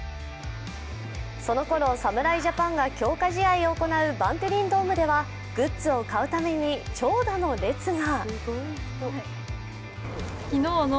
そのころ侍ジャパンが強化試合を行うバンテリンドームではグッズを買うために長蛇の列が。